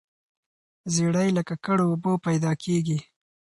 زیړی له ککړو اوبو پیدا کیږي.